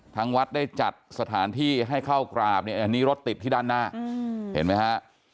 ทางวัดได้จัดสถานที่ให้เข้ากราบเนี่ยอันนี้รถติดที่ด้านหน้าเห็นไหมฮะ